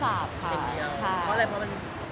มันไม่มีแล้วดีกว่าค่ะ